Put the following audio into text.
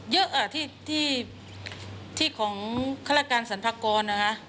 เยอะที่ของฆาตการสรรพากรนะคะ